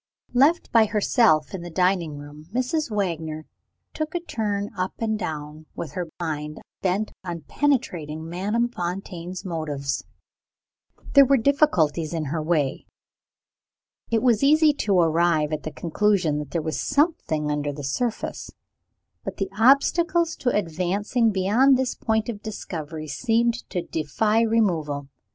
Left by herself in the dining room, Mrs. Wagner took a turn up and down, with her mind bent on penetrating Madame Fontaine's motives. There were difficulties in her way. It was easy to arrive at the conclusion that there was something under the surface; but the obstacles to advancing beyond this point of discovery seemed to defy removal.